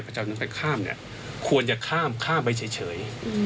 พระเจ้าจะข้ามนี่ควรจะข้ามข้ามไปเฉย